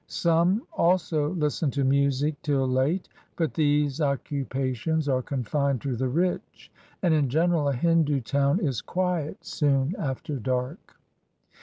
Some also listen to music till late: but these occupations are confmed to the rich, and in general a Hindu town is quiet soon after dark.